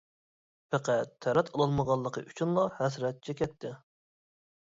پەقەت تەرەت ئالالمىغانلىقى ئۈچۈنلا ھەسرەت چېكەتتى.